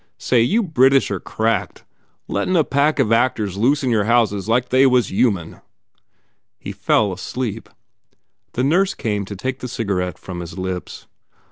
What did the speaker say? Say, you British are cracked, lettin a pack of actors loose in your houses like they was human " He fell asleep. The nurse came to take the cigarette from his lips.